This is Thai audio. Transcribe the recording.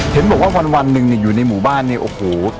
เห็นบอกว่าวันหนึ่งเนี่ยอยู่ในหมู่บ้านเนี่ยโอ้โห